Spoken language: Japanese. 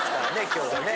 今日はね。